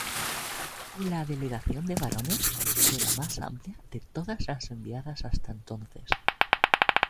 La delegación de varones fue la más amplia de todas las enviadas hasta entonces.